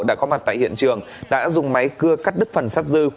đã có mặt tại hiện trường đã dùng máy cưa cắt đứt phần sát dư